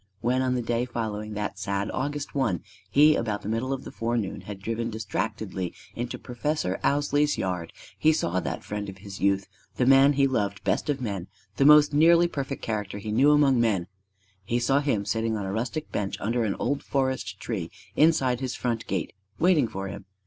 When on the day following that sad August one he about the middle of the forenoon had driven distractedly into Professor Ousley's yard, he saw that friend of his youth, the man he loved best of men, the most nearly perfect character he knew among men, he saw him sitting on a rustic bench under an old forest tree inside his front gate, waiting for him.